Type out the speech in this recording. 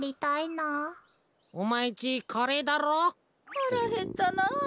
はらへったな。